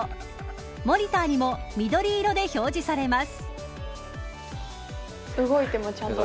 モニターにも緑色で表示されます。